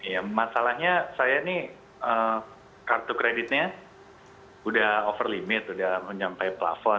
ya masalahnya saya ini kartu kreditnya sudah over limit sudah menyampai plafon